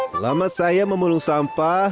selamat saya memulung sampah